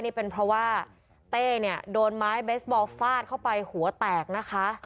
นี่เป็นเพราะว่าเต้เนี่ยโดนไม้เบสบอลฟาดเข้าไปหัวแตกนะคะ